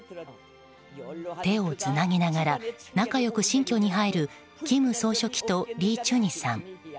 手をつなぎながら仲良く新居に入る、金総書記とリ・チュニさん。